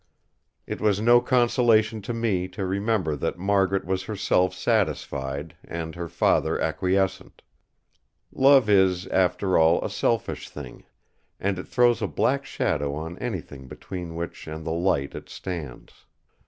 It was no consolation to me to remember that Margaret was herself satisfied, and her father acquiescent. Love is, after all, a selfish thing; and it throws a black shadow on anything between which and the light it stands.